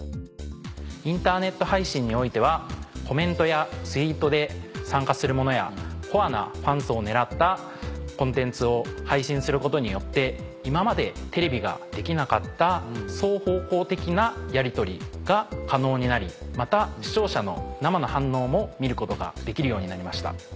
インターネット配信においてはコメントやツイートで参加するものやコアなファン層を狙ったコンテンツを配信することによって今までテレビができなかった双方向的なやりとりが可能になりまた視聴者の生の反応も見ることができるようになりました。